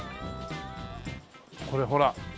これほら。